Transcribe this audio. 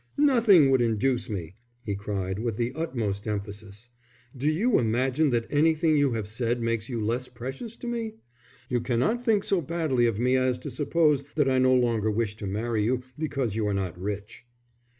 "Nothing would induce me," he cried, with the utmost emphasis. "Do you imagine that anything you have said makes you less precious to me? You cannot think so badly of me as to suppose that I no longer wish to marry you, because you are not rich."